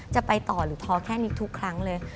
จะไปต่อหรือพอแค่นี้ทุกครั้งเลย